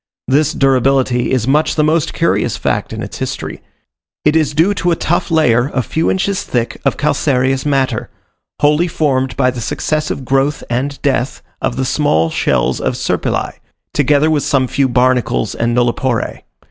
This durability is much the most curious fact in its history: it is due to a tough layer, a few inches thick, of calcareous matter, wholly formed by the successive growth and death of the small shells of Serpulae, together with some few barnacles and nulliporae.